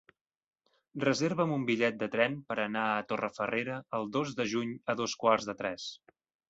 Reserva'm un bitllet de tren per anar a Torrefarrera el dos de juny a dos quarts de tres.